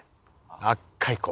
あっかい子。